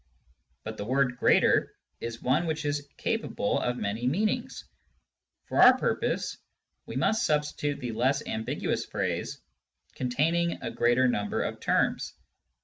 But the word "greater" is one which is capable of many meanings ; for our purpose, we must substitute the less ambiguous phrase " containing a greater number of terms."